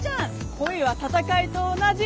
恋は戦いと同じ。